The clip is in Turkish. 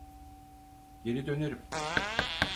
Geri dönerim.